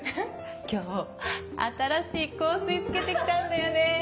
今日新しい香水つけてきたんだよね。